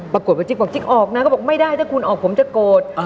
ปรากฏว่าจิ๊กบอกจิ๊กออกนะก็บอกไม่ได้ถ้าคุณออกผมจะโกรธ